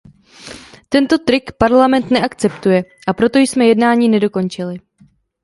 Tento trik Parlament neakceptuje, a proto jsme jednání nedokončili.